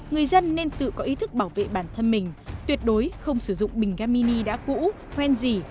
người dân nên tự có ý thức bảo vệ bản thân mình tuyệt đối không sử dụng bình ga mini đã cũ hoen gì